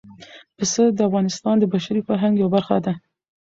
پسه د افغانستان د بشري فرهنګ یوه برخه ده.